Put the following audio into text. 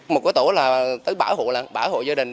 một cái tổ là tới bảo hộ là bảo hộ gia đình